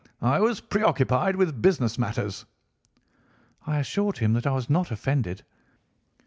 I was preoccupied with business matters.' "I assured him that I was not offended.